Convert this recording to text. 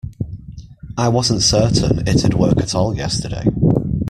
I wasn't certain it'd work at all yesterday.